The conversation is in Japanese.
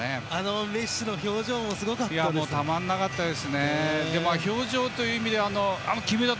メッシの表情もすごかったですし。